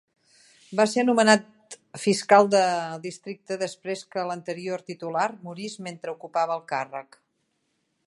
Va ser nomenat fiscal del districte després que l'anterior titular morís mentre ocupava el càrrec.